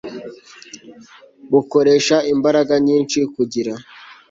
bukoresha imbaraga nyinshi kugira